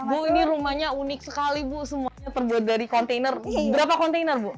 bu ini rumahnya unik sekali bu semuanya terbuat dari kontainer berapa kontainer bu